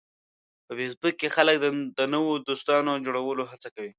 په فېسبوک کې خلک د نوو دوستانو جوړولو هڅه کوي